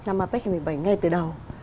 năm apec hai nghìn một mươi bảy ngay từ đầu